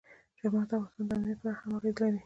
چار مغز د افغانستان د امنیت په اړه هم اغېز لري.